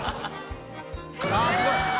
あっすごい！